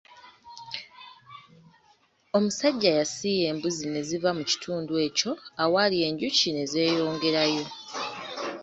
Omusajja yasiiya embuzi ne ziva mu kitundu ekyo awaali enjuki ne zeeyongerayo.